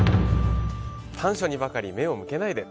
短所にばかり目を向けないで！